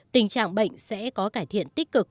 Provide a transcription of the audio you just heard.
tình trạng bệnh sẽ có cải thiện tích cực